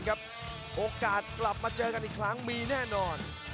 ครับโอกาสกลับมาเจอกันอีกครั้งไม่นานนอน